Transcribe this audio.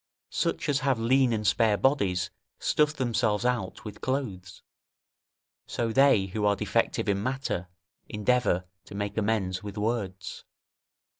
] Such as have lean and spare bodies stuff themselves out with clothes; so they who are defective in matter endeavour to make amends with words.